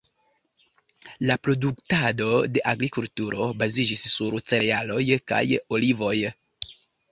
La produktado de agrikulturo baziĝis sur cerealoj kaj olivoj.